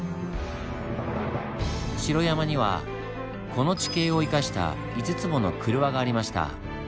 城山にはこの地形を生かした５つもの曲輪がありました。